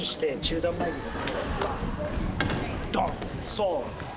そう！